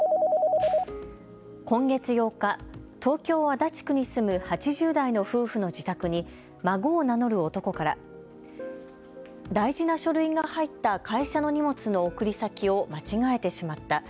今月８日、東京・足立区に住む８０代の夫婦の自宅に孫を名乗る男から大事な書類が入った会社の荷物の送り先を間違えてしまった。